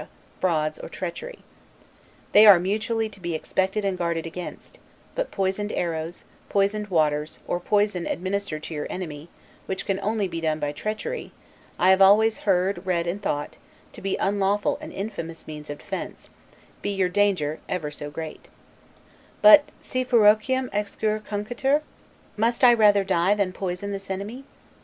frauds or treachery: They are mutually to be expected and guarded against; but poisoned arrows, poisoned waters, or poison administered to your enemy (which can only be done by treachery), I have always heard, read, and thought, to be unlawful and infamous means of defense, be your danger ever so great: But 'si ferociam exuere cunctetur'; must I rather die than poison this enemy?